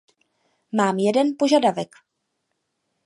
Mám jeden požadavek.